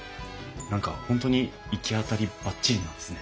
何か本当にいきあたりバッチリなんですね。